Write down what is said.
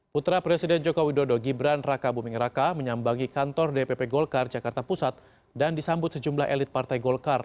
putra presiden joko widodo gibran raka buming raka menyambangi kantor dpp golkar jakarta pusat dan disambut sejumlah elit partai golkar